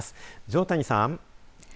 条谷さん。